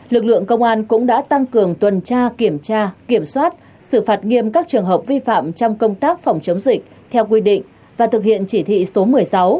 lực lượng công an cũng đã tăng cường tuần tra kiểm tra kiểm soát xử phạt nghiêm các trường hợp vi phạm trong công tác phòng chống dịch theo quy định và thực hiện chỉ thị số một mươi sáu